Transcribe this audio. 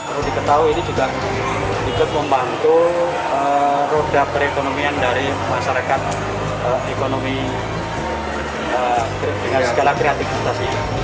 perlu diketahui ini juga ikut membantu roda perekonomian dari masyarakat ekonomi dengan segala kreativitasnya